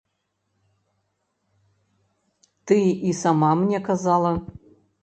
Ты і сама мне казала.